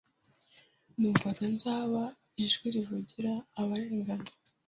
Numvaga nzaba ijwi rivugira abarengana